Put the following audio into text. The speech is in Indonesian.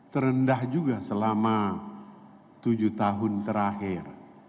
terendah juga selama tujuh tahun terakhir